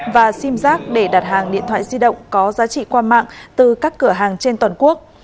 và sim giác để đặt hàng điện thoại di động có giá trị qua mạng từ các cửa hàng trên toàn quốc